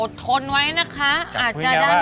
อ๋ออดทนไว้นะคะอาจจะได้ไม่คุ้มเสีย